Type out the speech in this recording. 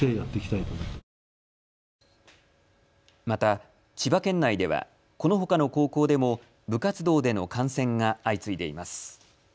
また千葉県内ではこのほかの高校でも部活動での感染が相次いでいます。